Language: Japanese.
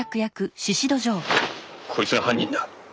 こいつが犯人だ！